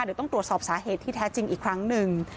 เดี๋ยวต้องตรวจสอบสาเหตุที่แท้จริงอีกครั้งหนึ่ง